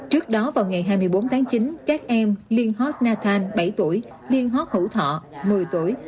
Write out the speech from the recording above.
trước đó vào ngày hai mươi bốn tháng chín các em liên hot nathan bảy tuổi liên hót hữu thọ một mươi tuổi